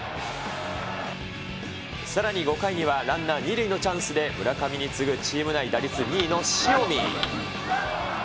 さらに５回にはランナー２塁のチャンスで、村上に次ぐ、チーム内打率２位の塩見。